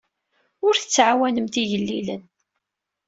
Ur tettɛawanemt igellilen.